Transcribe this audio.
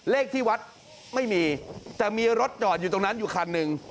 เลขที่วัดไม่มีแต่มีรถจอดอยู่ตรงนั้นอยู่คันหนึ่ง